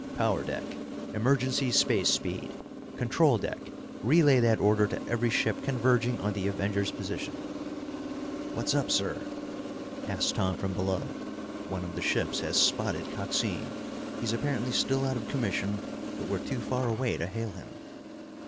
"Power deck, emergency space speed. Control deck, relay that order to every ship converging on the Avenger's position!" "What's up, sir?" asked Tom from below. "One of the ships has spotted Coxine. He's apparently still out of commission, but we're too far away to hail him."